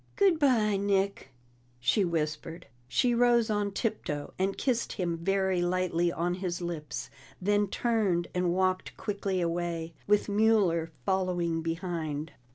"Good bye, Nick," she whispered. She rose on tiptoe, and kissed him very lightly on his lips, then turned and walked quickly away, with Mueller following behind.